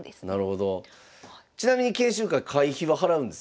ちなみに研修会会費は払うんですか？